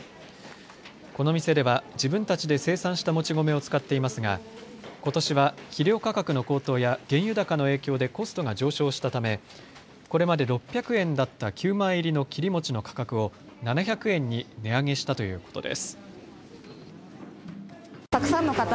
この店では自分たちで生産した餅米を使っていますがことしは肥料価格の高騰や原油高の影響でコストが上昇したため、これまで６００円だった９枚入りの切り餅の価格を７００円に値上げしたということです。